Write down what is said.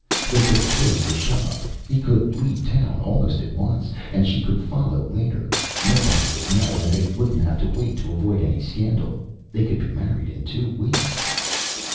They could close the shop. He could leave town almost at once, and she could follow later. Nobody would know, and they wouldn't have to wait to avoid any scandal. They could be married in two weeks!